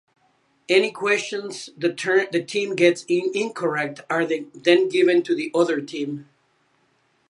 Any questions the team gets incorrect are then given to the other team.